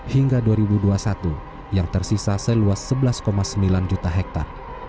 hingga dua ribu dua puluh satu yang tersisa seluas sebelas sembilan juta hektare